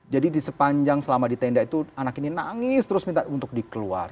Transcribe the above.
jadi di sepanjang selama ditenda itu anak ini nangis terus minta untuk dikeluar